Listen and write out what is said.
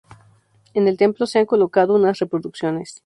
En el templo se han colocado unas reproducciones.